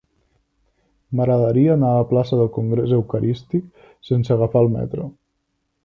M'agradaria anar a la plaça del Congrés Eucarístic sense agafar el metro.